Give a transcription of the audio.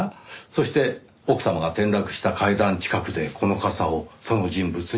そして奥様が転落した階段近くでこの傘をその人物に渡した。